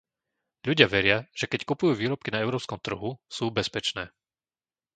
Ľudia veria, že keď kupujú výrobky na európskom trhu, sú bezpečné.